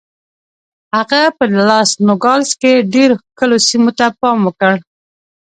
هغه په لاس نوګالس کې ډېرو ښکلو سیمو ته پام وکړ.